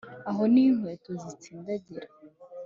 aho niho inkweto zitsindagira!